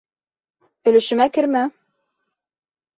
— Өлөшөмә кермә!..